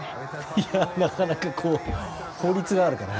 いや、なかなか法律があるから。